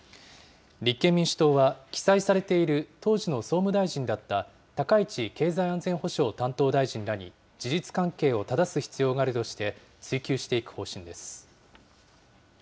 立憲民主党は、記載されている当時の総務大臣だった高市経済安全保障担当大臣らに、事実関係をただす必要があるとして追及していく方針です。